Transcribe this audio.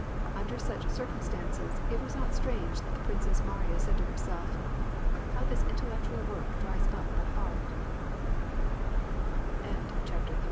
Under such dr* cumstances, it was not strange that the Princess Mariya said to herself, — <^How this intellectual work dries up the he